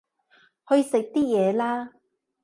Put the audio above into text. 去食啲嘢啦